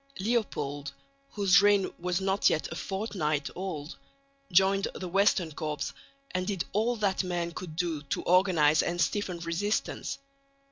Leopold, whose reign was not yet a fortnight old, joined the western corps and did all that man could do to organise and stiffen resistance.